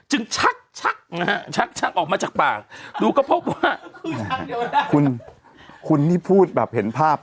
ชักชักนะฮะชักชักออกมาจากปากดูก็พบว่าคุณคุณนี่พูดแบบเห็นภาพ